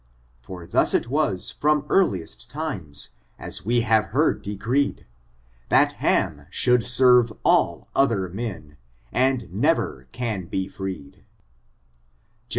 For thus it was from earliest tiuM, ae we have heard decreed. That Ham should serve all other men, and never can be freed. Gen.